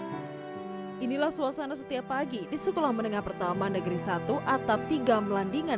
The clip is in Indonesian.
hai inilah suasana setiap pagi di sekolah menengah pertama negeri satu atap tiga melandingan